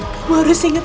kamu harus ingat